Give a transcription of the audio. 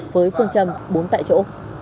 với phương châm bốn tại chỗ